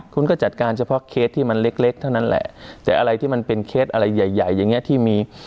คุณก็จัดการเฉพาะเคสที่มันเล็กเล็กเท่านั้นแหละแต่อะไรที่มันเป็นเคสอะไรใหญ่ใหญ่อย่างเงี้ที่มี